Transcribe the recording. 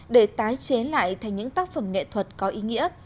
để tái chế lại thành những tác phẩm nghệ thuật có ý nghĩa